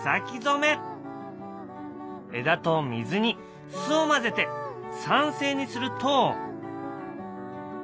枝と水に酢を混ぜて酸性にすると。